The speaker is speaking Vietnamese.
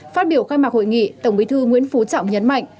phát biểu khai mạc hội nghị tổng bí thư nguyễn phú trọng nhấn mạnh